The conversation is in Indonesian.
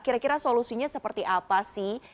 kira kira solusinya seperti apa sih